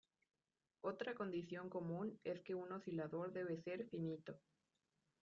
Otra condición común es que un oscilador debe ser finito.